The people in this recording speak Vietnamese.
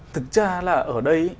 thực ra là ở đây